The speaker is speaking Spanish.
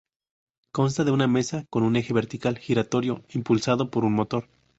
Consta de una mesa con un eje vertical giratorio, impulsado por un motor.